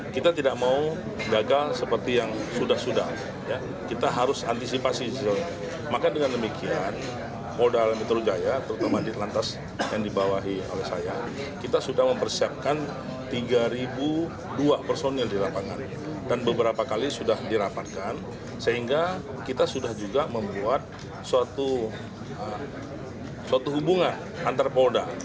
kita sudah mempersiapkan tiga dua personel di lapangan dan beberapa kali sudah dirapatkan sehingga kita sudah juga membuat suatu hubungan antar polda